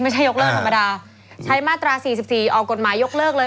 ยกเลิกธรรมดาใช้มาตรา๔๔ออกกฎหมายยกเลิกเลย